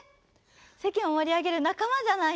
世間を盛り上げる仲間じゃないの。